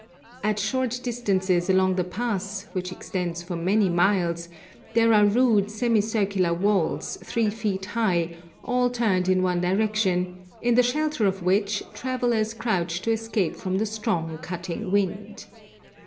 At short distances along the pass, which extends for many miles, there are rude semicircular walls, three feet high, all turned in one direction, in the shelter of which travellers crouch to escape from the strong cutting wind.